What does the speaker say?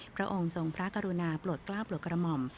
พระองค์ทรงพระกรุณาโปรดกล้าปลดกระหม่อม